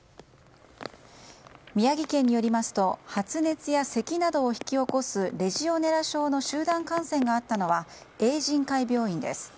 宮城県によりますと発熱やせきなどを引き起こすレジオネラ症の集団感染があったのは、永仁会病院です。